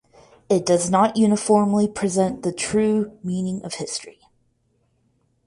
It does not uniformly present the true meaning of history.